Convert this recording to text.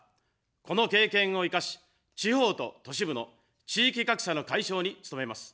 この経験を生かし、地方と都市部の地域格差の解消に努めます。